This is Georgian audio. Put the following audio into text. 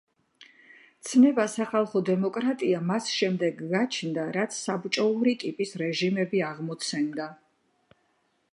ცნება სახალხო დემოკრატია მას შემდეგ გაჩნდა რაც საბჭოური ტიპის რეჟიმები აღმოცენდა.